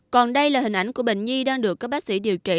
còn đây là hình ảnh của bệnh nhi đang được các bác sĩ điều trị